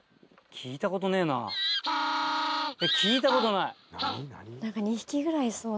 聞いたことない。